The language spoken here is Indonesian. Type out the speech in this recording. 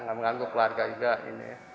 ya tidak mengganggu keluarga juga ini ya